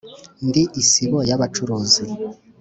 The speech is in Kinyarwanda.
Ndi isibo y'abacuruzi